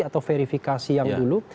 atau verifikasi yang dulu